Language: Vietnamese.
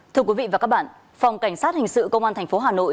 thưa quý vị và các bạn phòng cảnh sát hình sự công an tp hà nội